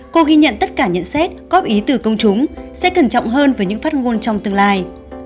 cô ghi nhận tất cả nhận xét góp ý từ công chúng sẽ cẩn trọng hơn với những phát ngôn trong tương lai